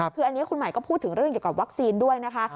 คืออันนี้คุณหมายก็พูดถึงเรื่องเกี่ยวกับวัคซีนด้วยนะคะ